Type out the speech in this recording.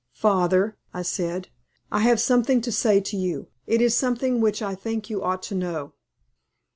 "Father," I said, "I have something to say to you. It is something which I think you ought to know."